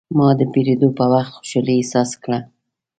ما د پیرود په وخت خوشحالي احساس کړه.